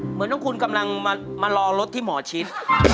เหมือนทั้งคุณกำลังมารอรถที่หมอชิด